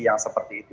yang seperti itu